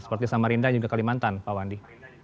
seperti samarinda dan juga kalimantan pak wandi